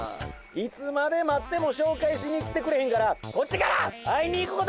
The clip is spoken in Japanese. いつまで待ってもしょうかいしに来てくれへんからこっちから会いに行くことにしたわ！